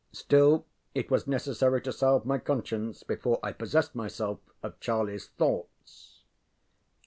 Still it was necessary to salve my conscience before I possessed myself of CharlieŌĆÖs thoughts.